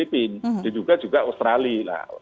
itu kan bukan hanya diduga bukan singapura malaysia maupun wpk